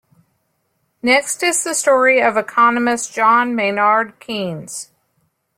Next is the story of economist John Maynard Keynes.